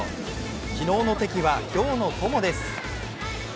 昨日の敵は今日の友です。